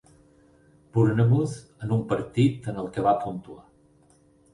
Bournemouth en un partit en el que va puntuar.